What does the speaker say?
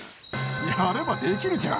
やればできるじゃん。